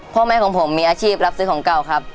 พ่อแม่ของผมมีอาชีพรับซื้อของเก่าครับ